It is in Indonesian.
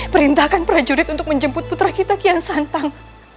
perintahkan prajurit untuk menjemput putra kita kian santang